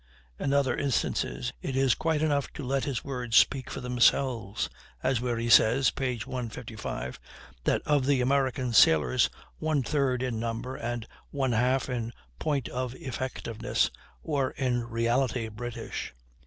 In other instances it is quite enough to let his words speak for themselves, as where he says (p. 155) that of the American sailors one third in number and one half in point of effectiveness were in reality British.